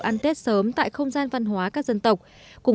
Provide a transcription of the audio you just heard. an khang thịnh vượng